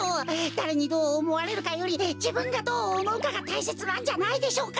だれにどうおもわれるかよりじぶんがどうおもうかがたいせつなんじゃないでしょうか？